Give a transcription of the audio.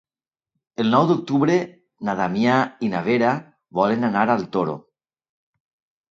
El nou d'octubre na Damià i na Vera volen anar al Toro.